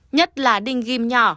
nhất là đinh ghim nhỏ